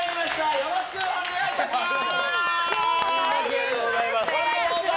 よろしくお願いします！